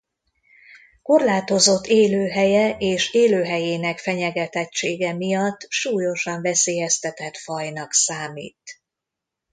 Korlátozott élőhelye és élőhelyének fenyegetettsége miatt súlyosan veszélyeztetett fajnak számít.